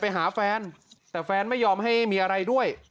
ไปหาแฟนแต่แฟนไม่ยอมให้มีอะไรด้วย